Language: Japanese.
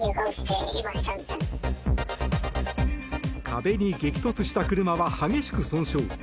壁に激突した車は激しく損傷。